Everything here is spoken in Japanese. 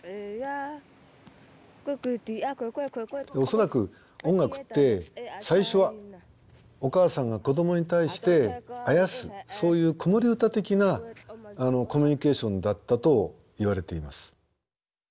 恐らく音楽って最初はお母さんが子どもに対してあやすそういう子守歌的なコミュニケーションだったといわれています。